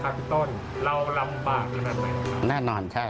เชิญติดตามรัวของคุณต้นจะน่าสนใจขนาดไหน